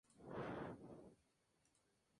Ha realizado expediciones botánicas a Venezuela.